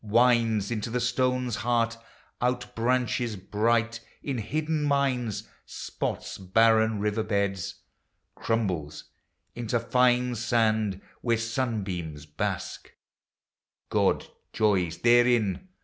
Winds into the stone's heart, outbranches bright In hidden mines, spots barren river beds, Crumbles into fine sand where sunbeams bask — God joys therein.